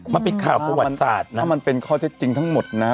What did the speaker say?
มันเป็นข่าวประวัติศาสตร์นะถ้ามันเป็นข้อเท็จจริงทั้งหมดนะ